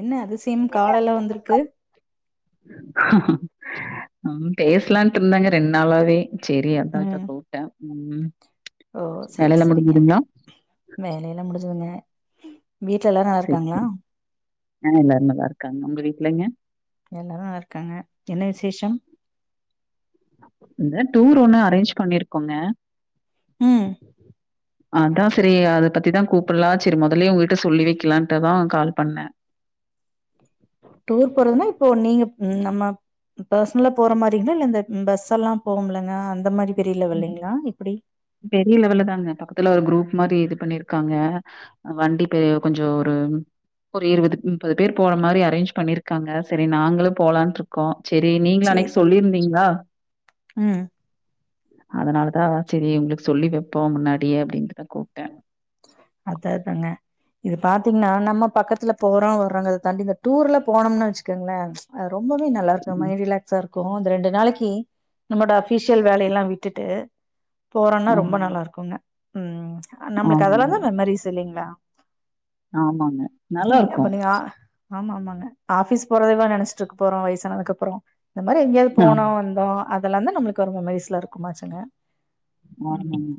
என்ன அதிசயம் காலைல வந்திருக்கு பேசலான்ட்ருந்தங்க ரெண்டு நாளாவே சேரி அதா இப்ப ம் கூப்டே ம் வேலைலா முடிஞ்சதுங்ளா வேலைலா முடிஞ்சதுங்க வீட்டுலல்லாரு செரி செரி ஆ எல்லாரு நல்லா இருக்காங்க உங்க வீட்டுலங்க எல்லாரு நல்லா இருக்காங்க என்ன விசேஷம் இந்த டூர் ஒன்னு அரேஞ்ச் பண்ணிருக்கோங்க ம் அதா செரி அத பத்திதா கூப்பிட்லா செரி முதல்லயே உங்கிட்ட சொல்லி வெக்கலான்ட்டுதா கால் பண்ணே டூர் போறதுன்னா இப்போ நீங்க ம் நம்ம பெர்சனலா போற மாரிங்களா இல்ல இந்த பஸ் எல்லா போகும்லங்க அந்த மாரி பெரிய ம். லெவல்லீங்களா எப்டி பெரிய லெவல்ல தாங்க பக்கத்துல ஒரு குரூப் மாரி இது பண்ணிருக்காங்க வண்டி பே கொஞ்ச ஒரு ஒரு இருபது முப்பது பேர் போற மாரி அரேஞ்ச் பண்ணிருக்காங்க செரி நாங்களு போலான்ட்ரு கோ செரி நீங்களு சேரி அன்னைக்கு சொல்லியிருந்தீங்களா ம் அதனாலதா செரி உங்களுக்கு சொல்லி வெப்போ முன்னாடியே அப்டின்னுதா கூப்பிட்டே அததாங்க இது பாத்தீங்கன்னா நம்ம பக்கத்துல போறோ வர்றோங்கறதை தாண்டி இந்த டூர்ல போனம்னு வச்சுக்குங்ளே அ ரொம்பவே நல்லார்க்கு ம். ஒர்மாரி ரிலாக்ஸா இருக் கு அந்த ரெண்டு நாளைக்கு நம்மோட அஃபிஷியல் வேலையெல்லா விட்டுட்டு போறோன்னா ரொம்ப ஆமாங்க, நல்லாருக்குங்க ம் நம்ளுக் ஆமாங்க, இந்த மாரி செல்லீங்களா ஆமாங்க. ம் அப்ப நல்லாருக்கும். நீங்க ஆ ஆமா ஆமாங்க ஆபீஸ் போறதைவ நெனைச்சிட்டு இருக்கப் போறோ வயசானதுக்கு அப்புற இந்த மாரி எங்கேயாவது ஆம், போனோ வந்தோ அதெலா தா நம்மளுக்கு ஒரு மெமரிஸ்ல இருக்குமாச்சுங்க ம் ஆமாங்க.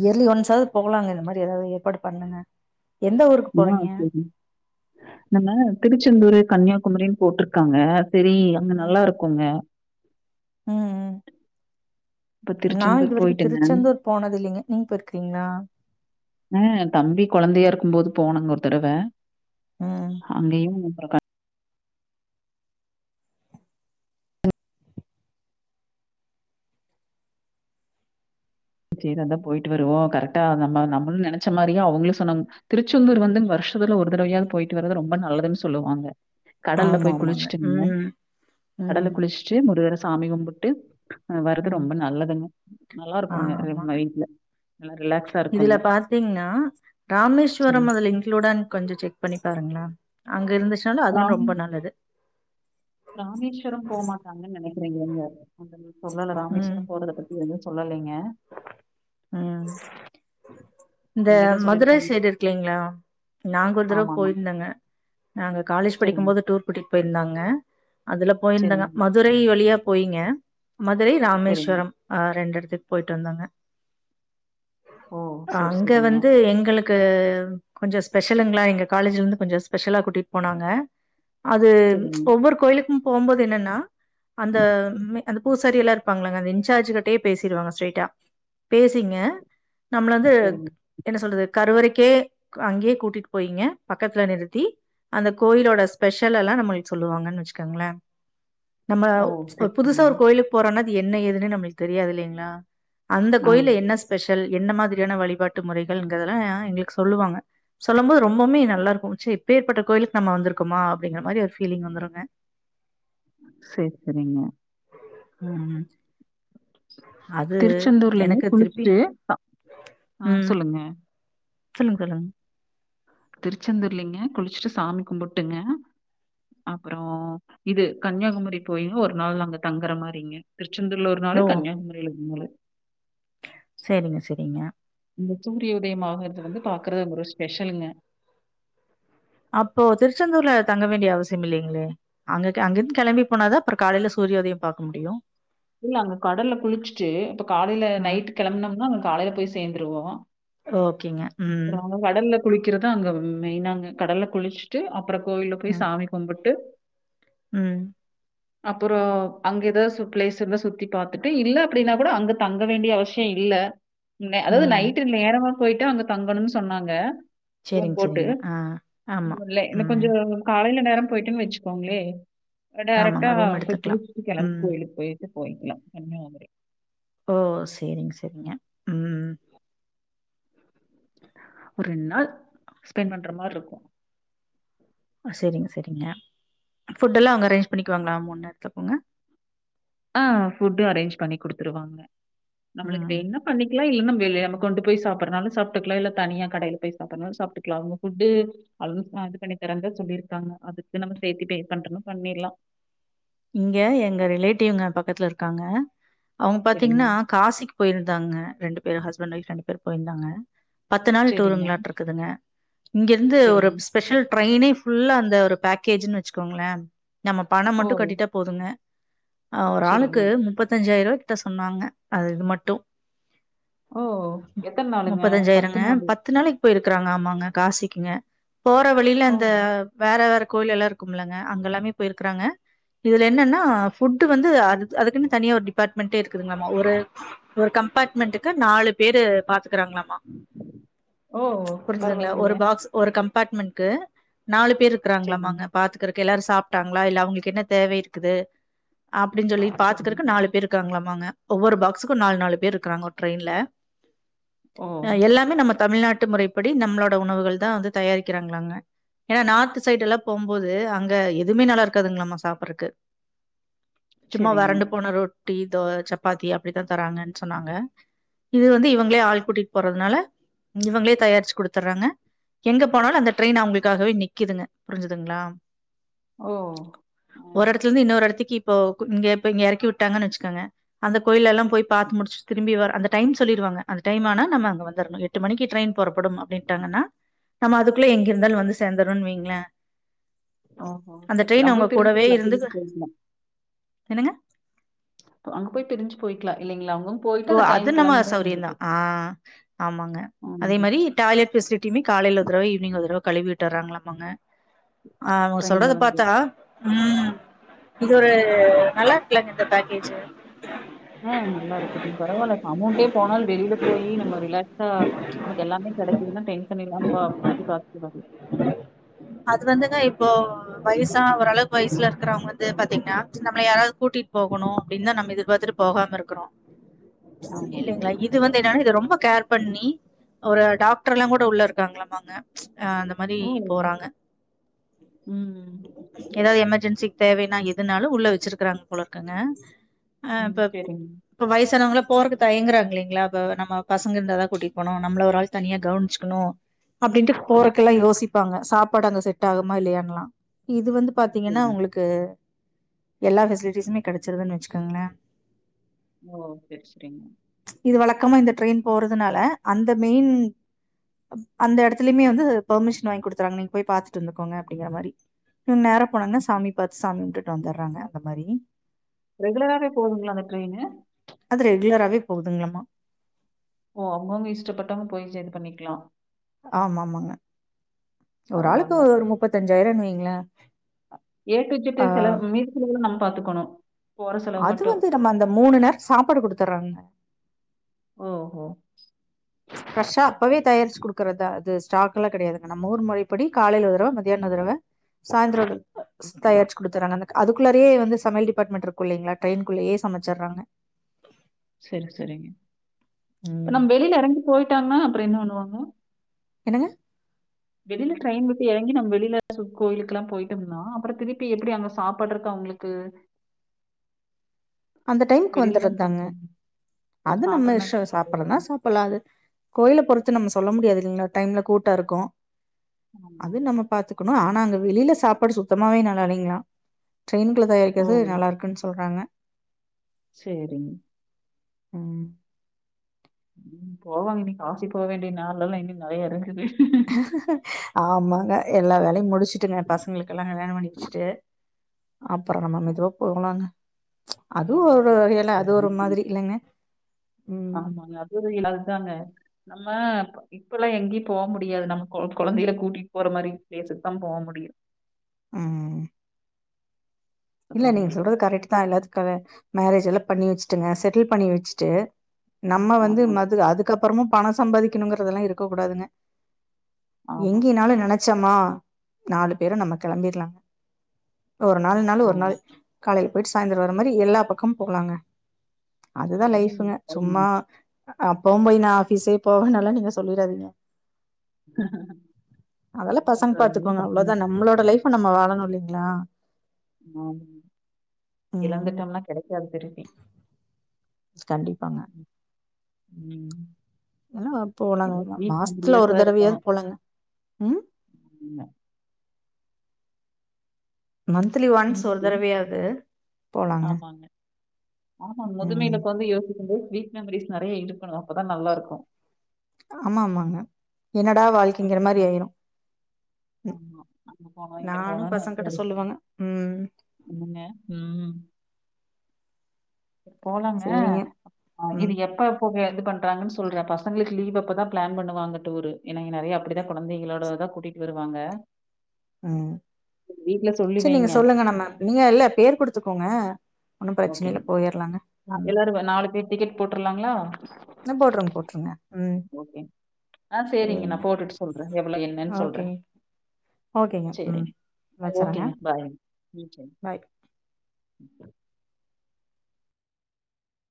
இயர்லி ஒன்ஸாவது போகலாங்க இந்த மாரி ஏதாவது ஏற்பாடு பண்ணுங்க எந்த ஊருக்கு ஆ போறீங்க செரி நம்ம திருச்செந்தூர் கன்னியாகுமரின்னு போட்டிருக்காங்க செரி அங்க ம் நல்லா இருக்குங்க ம் ம் இப்ப நா திருச்செந்தூர் இது வரைக்கு போயிட்டுங்க. திருச்செந்தூர் போனது இல்லீங்க நீங்க போயிருக்கிறீங்களா அ தம்பி கொழந்தையா இருக்கும் போது போனங்க ஒரு தடவ ம் அங்கயு பிறக செரி அதா போயிட்டு வருவோ கரெக்டா அது நம்ம நம்மளு நெனைச்ச மாரியே அவங்களு சொன்னாங் திருச்செந்தூர் வந்து வருஷத்துல ஒரு தடவயாவது போயிட்டு வறது ரொம்ப நல்லதுன்னு சொல்லுவாங்க கடல்ல ஆமா போய் ஆமாங்க குளிச்சுட்டுங்க ம் கடல்ல ம் குளிச் சு முருகரை சாமி கும்பிட்டு அ வர்றது ம் ரொம்ப நல்லதுங்க நல்லா இருக்குங்க ஆமாங்க ரெம்ம வீட்டுல நல்லா ரிலேக்ஸ் இதுல பாத்தீங்கன்னா ராமேஸ்வரம் சரிங்க. அதுல இன்குளூடான்னு கொஞ்ச செக் பண்ணி பாருங்களே அங்க இருந்துச்சுனாலு அதுவு ராமே ரொம்ப நல்லது ராமேஸ்வரம் போ மாட்டாங்கன்னு நெனைக்கிறேங்க இங்க [unintelligible] சொல்லல ம் ராமேஸ்வரம் போறத பத் எதுவு சொல்லலைங்க ம் இந்த இங்க தான் மதுரை சொல்லியிருக்காங்க. சைடு இருக்குலீங்களா நாங்க ஒரு தடவ ஆமாமா. போயிருந்தங்க நாங்க காலேஜ் படிக்கும் சரிங்க, போது டூர் கூட்டிட்டு போயிருந்தாங்க அதுல போயிருந்தங்க சரிங்க, மதுரை வழியா போயிங்க மதுரை சரிங்க. ராமேஸ்வரம் ஆ ரெண்டு இடத்துக்கு போயிட்டு வந்தோங்க ஓ! சரி, அங்க சரிங்க. வந்து எங்களுக் கு கொஞ்ச ஸ்பெஷலுங்களா எங்க காலேஜ்ல இருந்து கொஞ்ச ஸ்பெஷலா கூட்டிட்டு போனாங்க அது சரிங்க, ஒவ்வொரு கோயிலுக்கும் போம்போது என்னன்னா அந்த மெ அந்த பூசாரி எல்லா இருப்பாங்கலங்க அந்த இன்சார்ஜ் கிட்டயே பேசிருவாங்க ஸ்ட்ரைட்டா பேசிங்க நம்மள வந்துக் சரிங்க. என்ன சொல்றது கருவறைக்கே அங்கேயே கூட்டிட்டு போயீங்க பக்கத்துல நிறுத்தி அந்த கோயிலோட ஸ்பெஷல் எல்லா நம்மளுக்கு சொல்லுவாங்கன்னு வச்சுக்கோங்கள நம்ம ஓ! ஒர் சரி, புதுசா ஒரு சரிங்க. கோயிலுக்கு போறோனா அது என்ன ஏதுன்னு நம்மளுக்கு தெரியாது இல்லங்களா அந்த கோயில்ல ஆமாங்க. என்ன ஸ்பெஷல் என்ன மாதிரியான வழிபாட்டு முறைகளுங்கறது எல்லா எங்களுக்கு சொல்லுவாங்க சொல்லும் போது ரொம்பவுமே நல்லா இருக்கும் ச்ச இப்பேற்பட்ட கோயிலுக்கு நம்ம வந்திருகோமா அப்படிங்கிற மாரி ஒரு ஃபீலிங் வந்துருங்க சேர் சரிங்க ம் ம் திருச்செந்தூர்லேங்க எனக்கு திருப்பி குளிச்சுட்டு த ஆ ம் சொல்லுங்க சொல்லுங்க சொல்லுங் திருச்செந்தூர்லிங்க குளிச்சுட்டு சாமி கும்புட்டுங்க அப்பற இது கன்னியாகுமரி போயு ஒரு நாள் நாங்க தங்குற மாரிங்க திருச்செந்தூருல ஒரு ஓ! நாளு கன்னியாகுமரியில இன்னொரு நாள் சேரிங்க சரிங்க இந்த சூரிய உதயம் ஆகுறத வந்து பாக்குறது ஒரு ஸ்பெஷலுங்க அப்போ திருச்செந்தூர்ல தங்க வேண்டிய அவசியமில்லேங்களே அங்க கெ அங்கிந்து கெளம்பி போனாதா அப்பற காலைல சூரியோதயம் பாக்க முடியு இல்ல அங்க கடல்ல குளிச்சுட்டு இப்ப காலையில ம். நைட்டு் கிளம்பனம்ன்னா காலையில போய் சேந்துருவோ ஓகேங்க ம்ம் கடல்ல குளிக்கறத அங்க மெயினாங்க கடல்ல குளிச்சுட்டு அப்பற கோவில்ல போய் ம். சாமி கும்புட்டு ம் அப்பறொ அங்க ஏதாவது சுத் பிளேஸ் இருந்தா சுத்தி பாத்துட்டு இல்ல அப்டின்னா கூட அங்க தங்க வேண்டிய அவசிய இல்ல அதாவது ம். நைட்டு நேரமா போயிட்டு அங்க தங்கணும்னு சொன்னாங்க ரூம் சரிங்க, போட்டு சரிங்க. ஆ. ஆமா. [unintelligible] இல்ல இன்னு கொஞ்ச ம். காலையில நேரமா போயிட்டுன்னு வச்சுக்கோங்களே டேரெக்டா ஆமாங்க. ரூம் போய் எடுத்துக்கலாம். குளிசிட்டு கிளம்பி ம். கோயிலுக்கு போயிட்டு போயிக்கலாம் கன்னியாகுமரி ஓ சேரிங்க சரிங்க ம் ஒரு ரெண்டு நாள் ஸ்பெண்ட் பண்ற மாரி இருக்கும் ஆ சேரிங்க சரிங்க ஃபுட் எல்லா அவங்க அரேஞ்ச் பண்ணிக்குவாங்களா மூணு நேரத்துக்குங்க ஆ ஃபுட்டு அரேஞ்ச் பண்ணி கொடுத்துருவாங்க நம்மளுக்கு ம். வேன்னுனா பண்ணிக்கலாம் இல்லன்னா நம்ம வெளியே நம்ம கொண்டு போய் சாப்பிடனாலும் சாப்பிட்டுக்கலா இல்ல தனியா கடையில போய் சாப்புடறனாலும் சாப்புட்டுக்கலாம் அவங்க ஃபுட்டூ இது பண்ணி தரனு தா சொல்லிருகாங்க அதுக்கு நம்ம சேத்தி பே பண்றனா பண்ணிடலா இங்க எங்க ரிலேட்டிவ்ங்க பக்கத்துல இருக்காங்க அவங்க சரிங்க, பாத்தீங்கன்னா காசிக்குப் போயிருந்தாங்க ரெண்டு பேரு ஹஸ்பண்ட் ஒயஃப் ரெண்டு பேர் போயிருந்தாங்க பத்து நாள் சரிங்க, டூருங்களாட்டு இருக்குதுங்க ஒரு சரிங்க. ஸ்பெஷல் ட்ரைனே ஃபுல்லா அந்த ஒரு பேக்கேஜ்ன்னு வச்சுக்கோங்ள நம்ம பண ஓ! மட்டு கட்டிட்டா போதுங்க அ ஒரு சரிங்க. ஆளுக்கு முப்பத்தஞ்சாயிரூபா அத்த சொன்னாங்க அது இது மட்டு ஓ! எத்தன நாளுங்க? முப்பத்தஞ்சாயிரங்க நாளு. பத்து நாளைக் போற வழியில ஓ! அந்த வேற வேற கோயிலெல்லா இருக்கும்லங்க அங்கல்லாமே போயிருக்கறாங்க இதுல என்னன்னா ஃபுட்டு் வந்து அது அதுக்குன்னு தனியா ஒரு டிபார்ட்மெண்ட்டே இருக்குதுங்ளாமா ஒரு ஒரு கம்பார்ட்மெண்ட்டுக்கு நாலு பேரு பாத்து க்கறாங்ளாமா ஓ! புரிஞ்சுதுங்களா ஒரு பரவாயில்லையே. பாக்ஸ் ஒரு கம்பார்ட்மெண்ட்க்கு நாலு சரிங்க. பேருக்றாங்களாமாங்க பாத்துக்கறக்கு எல்லாரு சாப்ட்டாங்ளா இல்ல அவுங்களுக்கு என்ன தேவை இருக்குது அப்டின் சொல்லி சரிங்க. பாத்துக்கறக்கு நாலு பேரு க்காங்களாமாங்க ஒவ்வொரு பாக்ஸுக்கு நால் நாலு பேரு இருக்கராங்க ஒரு ட்ரையின்ல ஓ! அ எல்லாமே நம்ம தமிழ்நாட்டு முறைப்படி நம்ளோட உணவுகள் தா வந்து தயாரிக்கிறாங்ளாங்க ஏனா நார்த் சைடெல்லா போம்போது அங்க எதுமே நல்லா இருக்காதுங்ளாம்மா சாப் பருக்கு சும்மா சரிங்க. வறண்டு போன ரோ டி தோ சப்பாத்தி அப்டித்தா தராங்கன் சொன்னாங்க இது வந்து இவுங்ளே ஆள் கூட்டிட் போறதுனால இவுங்களே தயாரிச்சு குடுத்தர்றாங்க எங்க போனாலு அந்த ட்ரைன் அவுங்களுக்காகவே நிக்குதுங்க புரிஞ்சுதுங்ளா ஓ அ ஒரு எடத்துலந்து இன்னொரெடத்திக்கு இப்போ கூ இங்க இப்ப இங்க எறக்கி உட்டாங்கன் வச்சுக்குங்க அந்த கோயில்லெல்லா போய் பாத்து முடிச்சுட் திரும்பி வர அந்த டைம் சொல்லிருவாங்க அந்த டைம் ஆனா நம்ம அங்க வந்தரணு எட்டு மணிக்கு ட்ரைன் பொறப்படும் அப்டின்ட்டாங்கன்னா நம்ம அதுக்குள்ள எங்கிருந்தாலு வந்து சேந்தரோன் வைங்ளே ஓ ஹோ சேரி சேரி அங் போய் பிரிஞ்சுக்லா பிரிஞ்சு போய்க்லா என்னங்க அங்க போய் பிரிஞ்சு போயிக்லா இல்லைங்ளா ங்கோ ஓ அது நம்ம சௌரியந்தா ஆ ஆமாங்க அதே ம். மாரி டாய்லட் ஃபெசிலிட்டியுமே காலைல ஒர் தரவ ஈவினிங் ஒர் தரவ கழுவி விட்டறாங்களாமாங்க அவுங் ட்ரெயின்ல சொல்றத வந்து. பாத்தா ம் இது ஒரு நல்லாருக்லங்க இந்த பேக்கேஜ்ஜு ஆ நல்லாருக்குதுங் பரவால்ல அமௌண்ட்டே போனால் வெளில போயி நம்ம ரிலாக்ஸா ச் நமக்கு எல்லாமே கிடைக்குதுனா டென்ஷன் இல்லாம சுத்தி பாத்துட்டு வர்லா அது வந்துங்க இப்போ வயசா ஓரளவு வயசுல இருக்கறவங் வந்து பாத்தீங்ன்னா நம்மள யாராது கூட்டிட்டு போகணு அப்டின் தா நம்ம எதிர்பாத்துட்டு போகாம இருக்குறோ ஆமாங்க. இல்லைங்களா இ இது வந்து என்னனா இத ரொம்ப கேர் பண்ணி ஒரு டாக்டர்லா கூட உள்ள இருக்காங்களாமாங்க அ அந்த மாரி ஓ! போறாங்க ம். ஏதாவது எமர்ஜென்சி தேவைனா எதுனாலு உள்ள வச்சிருக்கறாங்க போல இருக்குங்க ஆ ம். இப்ப சரிங்க, இப்ப வயசானவங்கள போறக்கு தயங்குறாங்க இல்லேங்ளா அப்ப நம்ம பசங்க இருந்தாதா கூட்டிட் போனு நம்மள ஒரு ஆள் தனியா கவனுச்சுக்கணு அப்டின்ட்டு போறக்கெல்லா யோசிப்பாங்க சாப்பாடு அங்க செட் ஆகுமா இல்லையான்லா இது வந்து பாத்தீங்கன்னா சரிங்க. உங்களுக்கு எல்லா பெசிலிட்டிஸுமே கிடைச்சிருதுன்னு வச்சுக்கோங்களே ஓ சேரி சேரிங் இது வழக்கமா இந்த ட்ரைன் போறதுனால அந்த மெயின் அந்த எடத்துலயுமே வந்து ஃபர்மிஷன் வாங்கி குடுத்தாங் நீங் போய் பாத்துட்டு வந்துக்கோங்க அப்டிங்கிற மாரி ன் நேரா போனாங்னா சாமி பாத்து சாமி உம்ட்டுட்டு வந்தறாங்க அந்த மாரி ரெகுலராவே போகுதுங்ளா அந்த ட்ரைனு அது ரெகுலராவே போகுதுங்ளாமா ஓ அவுங்கவுங்க இஷ்டப்பட்டவுங்க போயி சேந்து பண்ணிக்லா ஆமா ஆமாங்க ஒரு ஆளுக்கு பரவால்ல. ஒரு முப்பத்தஞ்சாயிரன் வைங்ளே ஏ டு இஜெட்டு செலவு மீதி செலவுல நம்ம பாத்துக்கணு அது வந்து நம்ம அந்த மூனு நேர் சாப்பாடு குடுத்தறாங்க ஓஹோ ஃப்ரெஷ்ஷா அப்பவே தயாரிச்சு குடுக்குறதா அது ஸ்டாக்ல்லா கிடையாதுங்க நம்ம ஊர் முறைப்படி காலைல ஒரு தடவ மத்தியான ஒரு தடவ சாய்ந்தரோடது ஸ் தயாரிச்சு குடுத்தறாங்க அதுக்குள்ளறேயே வந்து சமையல் டிபார்ட்மெண்ட் இருக்கு இல்லைங்களா டிரெயின்க்குள்ளயே சமச்சடுறாங்க சேரி சேரிங்க இப் ம் நம் வெளில இறங்கி போயிட்டாங்கனா அப்புற என்ன பண்ணுவாங்க என்னங்க வெளில ட்ரெயின் விட்டு எறங்கி நம் வெளில சு கோயிலுக்குல்லா போயிட்டோம்னா அப்புற திருப்பி எப்பிடி அங்க சாப்பாடுறக்கு அவுங்களுக் க்கு அந்த டைமுக்கு வந்துரதாங்க ஓ! அது நம்ம சாப்பிடுற இஷ்டோ நேரத்துக்கு சாப்புறதுனா சாப் புலா அது கோயில பொறுத்து நம்ம சொல்ல முடியாது இல்லீங்களா டைம்ல கூட்ட இருக்கு ஆமா. அது நம்ம பாத்துக்கணு ஆனா அங்க வெளில சாப்பாடு சுத்தமாவே நல்லா இல்லீங்களா ட்ரெயின்ல ஓ! தயாரிக்கிறது நல்லாருக்குன்னு சொல்றாங்க சேரிங்க ம் ம் போவாங்க இனி காசி போ வேண்டிய நாள் எல்லா இன்னு நெறைய இருக்குது ஆமாங்க எல்லா வேலையு முடிச்சுட்டுங்க பசங்களுக்கெல்லா கல்யாண பண்ணி வச்சுட்டு அப்புற நம்ம மெதுவா போகலாங்க அதுவு ஒரு ஆமாங்க. வகையில அது ஒரு மாதிரி இல்லங்க ஆமாங்க அது ஒரு அதுதாங்க நம்ம இப்பல்லா எங்கியு போ முடியாது நம்ம கொ கொழந்தைகள கூட்டிட்டு போற மாரி பிளேஸுக்குத்தா போ முடியு ம் இல்ல போக நீங்க முடியாது. சொல்றது கரெக்ட் தா எல்லாத்துக்காக மேரேஜ் எல்லா பண்ணி வச்சுட்டுங்க செட்டில் பண்ணி வச்சுட்டு நம்ம வந்து ஆமா. மது அதுக்கப்புறமும் பணம் சம்பாதிக்கணுங்கறதெல்லா இருக்கக்கூடாதுங்க ஆமாங்க. எங்கினாலு நெனைச்சோமா நாலு பேரு நம்ம கெளம்பிர்லா ஒரு நாள்னாலு ஒரு நாள் ஆமா. காலையில போயிட்டு சாய்ந்தர வர மாரி எல்லா பக்கமு போகலாங்க அதுதா ம். லைஃபுங்க குழந்தைங்க. சும்மா அப்போவு போய் நா ஆஃபிஸே போவேன்லா நீங்க சொல்லிறாதீங்க அதெல்லா என்ன பசங்க பண்றது? எங்களும் பாத்துப்பாங்க பசங்க. அவ்ளோதா நம்மளோட லைஃப நம்ம வாழணு இல்லீங்களா ஆமா ம் இழந்துட்டோம்னா கெடைக்காது திருப்பி கண்டிப்பாங்க ம் எல்லா போலாங்க எல்லாம் நம்ம ஸ்வீட் மாசத்துல ஒரு மெமரிஸா தடவையாது இருக்கணும். போலாங்க ம் ஆமா மந்த்லி ஒன்ஸ் ஒரு பின்னாடி தரவையாது போலாங்க ஆமாங்க. ஆமா ம் முதுமையில இப்ப வந்து யோசிக்கும் போது ஸ்வீட் மெமரிஸ் நெறைய இருக்கணு அப்பதா நல்லாருக்கு ஆமா ஆமாங்க என்னடா வாழ்க்கைங்கிற மாரி ஆயிரு ம் ஆமா. அங்க போனோம், இங்க நானும் பசங்கட்ட சொல்லுவங்க ம் இன்ன ம் போலாங்க சேரிங்க ஆ இது ம் எப்ப போக இது பண்றாங்கன்னு சொல்ற பசங்களுக்கு லீவ் அப்பதா பிளான் பண்ணுவாங்க டூரு ஏன்னா இங்க நெறைய அப்டிதா கொழந்தைகளோடதா கூட்டிட் வருவாங்க ம் வீட்ல சொல்லி சேரி நீங்க வைங்க. சொல்லுங்க நம்ம நீங்க இல்ல பேர் குடுத்துக்கோங்க ஒன்னும் பிரச்சன இல்ல ஓகேங்க போயிரலாங்க ஆ ம் எல்லாரு வ நாலு பேர் டிக்கெட் போட்ருலாங்களா ஆ போட்ருங் போட்ருங்க ம் ஓகே ஆ சேரிங்க நா போட்டுட்டு சொல்ற எவ்வளோ என்னன்னு சொல்ற ஓகேங்க ஓகேங்க ம் சேரிங்க வச்சறேங்க ஓகேங்க பாய்ங்க ம் சேரி பாய் ரி